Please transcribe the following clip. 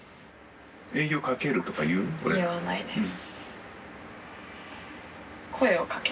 言わないです。